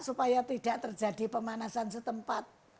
supaya tidak terjadi pemanasan setempat